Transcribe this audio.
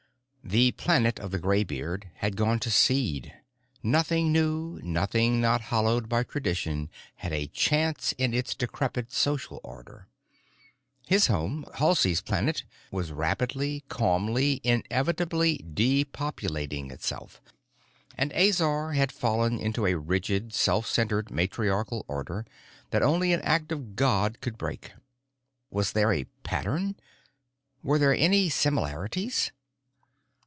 The planet of the graybeard had gone to seed; nothing new, nothing not hallowed by tradition had a chance in its decrepit social order. His home, Halsey's Planet, was rapidly, calmly, inevitably depopulating itself. And Azor had fallen into a rigid, self centered matriarchal order that only an act of God could break. Was there a pattern? Were there any similarities?